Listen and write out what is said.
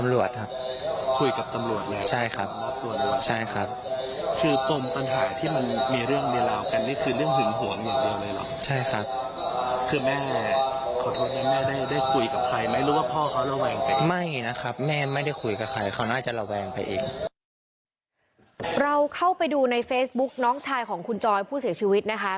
เราเข้าไปในเฟซบุ๊กน้องชายของคุณจอยผู้เสียชีวิตนะคะ